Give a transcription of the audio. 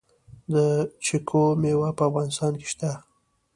د چیکو میوه په افغانستان کې شته؟